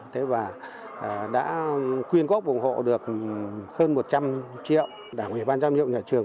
thế và đã quyên góp ủng hộ được hơn một trăm linh triệu đảng huyện ban giam nhậu nhà trường